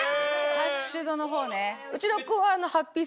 ハッシュドの方ね。